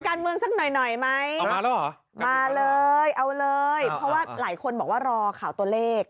การเมืองสักหน่อยไหมมาเลยเอาเลยเพราะว่าหลายคนบอกว่ารอข่าวตัวเลข